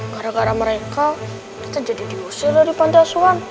gara gara mereka kita jadi diusir dari pantai asuhan